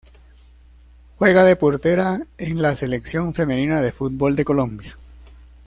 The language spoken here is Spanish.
Juega de portera en la Selección femenina de fútbol de Colombia.